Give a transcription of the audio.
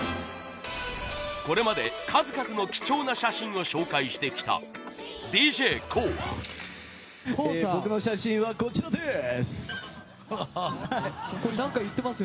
これまで数々の貴重な写真を紹介してきたＤＪＫＯＯはＤＪＫＯＯ：僕の写真はこちらです！